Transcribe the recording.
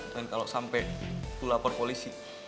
dan kalau sampai itu lapor polisi